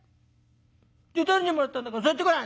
「じゃあ誰にもらったんだか言ってごらん」。